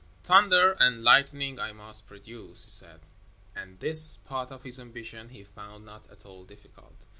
"Thunder and lightning I must produce," he said, and this part of his ambition he found not at all difficult.